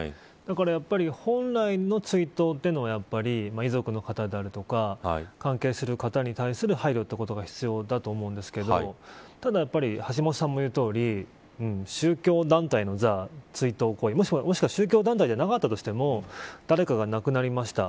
だから、やっぱり本来の追悼というのは遺族の方であるとか関係する方に対する配慮ということが必要だと思うんですがやっぱり橋下さんも言うとおり宗教団体の追悼行為もしくは宗教団体じゃなかったとしても誰かが亡くなりました。